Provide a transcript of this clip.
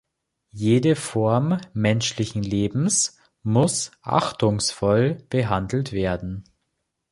Jede Form menschlichen Lebens muss achtungsvoll behandelt werden.